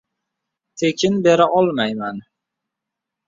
Tekin bera olmayman.